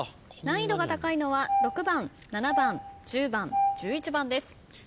難易度が高いのは６番７番１０番１１番です。